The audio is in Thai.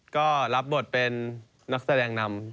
ก็รับบทเป็นนักแสดงนำ